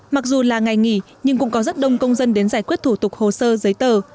mặc dù là ngày nghỉ nhưng cũng có rất đông công dân đến giải quyết thủ tục hồ sơ giấy tờ